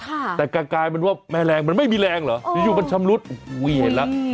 แต่กลายเป็นว่าแม่แรงมันไม่มีแรงเหรออยู่อยู่มันชำรุดโอ้โหเห็นแล้ว